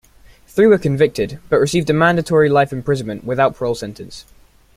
Three were convicted, but received a mandatory life imprisonment without parole sentence.